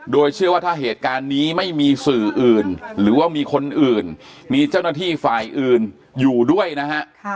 โดยเชื่อว่าถ้าเหตุการณ์นี้ไม่มีสื่ออื่นหรือว่ามีคนอื่นมีเจ้าหน้าที่ฝ่ายอื่นอยู่ด้วยนะฮะ